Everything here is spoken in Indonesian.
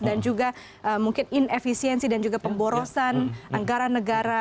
dan juga mungkin inefisiensi dan juga pemborosan anggaran negara